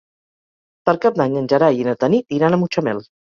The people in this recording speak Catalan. Per Cap d'Any en Gerai i na Tanit iran a Mutxamel.